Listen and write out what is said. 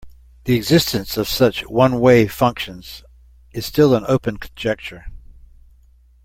The existence of such one-way functions is still an open conjecture.